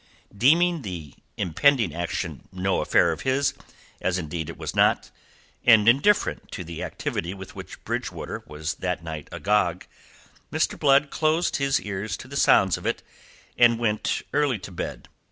Deeming the impending action no affair of his, as indeed it was not, and indifferent to the activity with which Bridgewater was that night agog, Mr. Blood closed his ears to the sounds of it, and went early to bed.